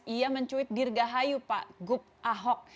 ia mencuit dirgahayu pak gup ahok